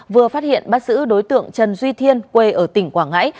vừa phát hiện bắt giữ đối tượng trần duy thiên quê ở tỉnh quảng ngãi